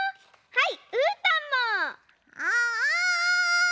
はい。